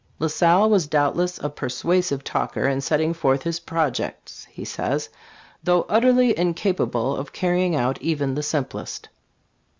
" La Salle was doubtless a persuasive talker in setting forth his projects," he says, "though utterly incapable of carrying out even the simplest."